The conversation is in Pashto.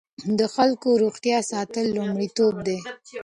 د خلکو روغتیا ساتل لومړیتوب دی.